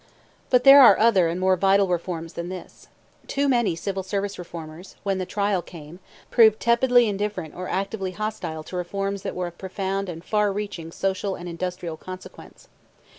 But there are other and more vital reforms than this. Too many Civil Service Reformers, when the trial came, proved tepidly indifferent or actively hostile to reforms that were of profound and far reaching social and industrial consequence.